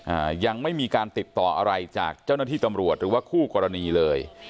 อ่ายังไม่มีการติดต่ออะไรจากเจ้าหน้าที่ตำรวจหรือว่าคู่กรณีเลย